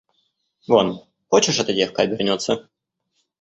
Вон хочешь эта девка обернётся?